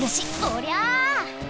おりゃ！